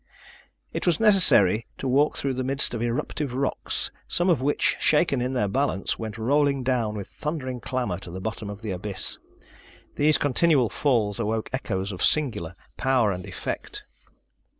It was necessary to walk through the midst of eruptive rocks, some of which, shaken in their balance, went rolling down with thundering clamor to the bottom of the abyss. These continual falls awoke echoes of singular power and effect.